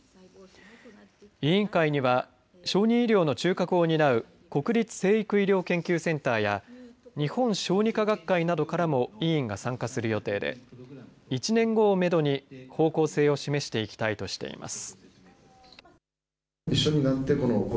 委員会には小児医療の中核を担う国立成育医療研究センターや日本小児科学会などからも委員が参加する予定で１年後をめどに方向性を示していきたいとしています。